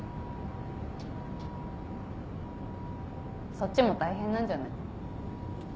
そっちも大変なんじゃない？